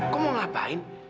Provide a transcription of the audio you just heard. kok mau ngapain